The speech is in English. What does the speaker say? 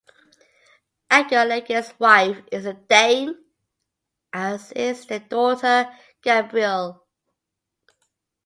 Edgar Leggett's wife is a Dain, as is their daughter Gabrielle.